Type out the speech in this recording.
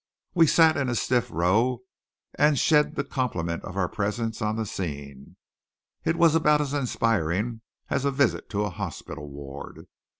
We sat in a stiff row and shed the compliment of our presence on the scene. It was about as inspiring as a visit to a hospital ward.